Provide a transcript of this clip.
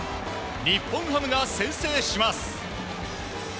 日本ハムが先制します。